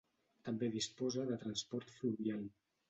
També disposa de transport fluvial.